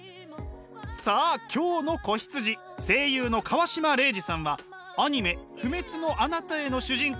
さあ今日の子羊声優の川島零士さんはアニメ「不滅のあなたへ」の主人公